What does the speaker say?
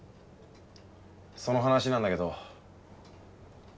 その話なんだけど。